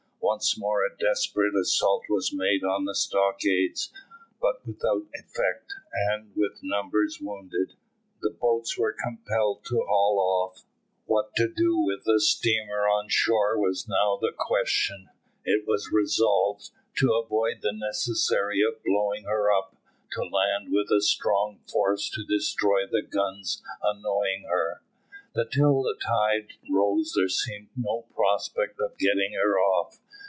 Once more a desperate assault was made on the stockades, but without effect, and, with numbers wounded, the boats were compelled to haul off. What to do with the steamer on shore was now the question. It was resolved, to avoid the necessity of blowing her up, to land with a strong force to destroy the guns annoying her. Till the tide rose there seemed no prospect of getting her off.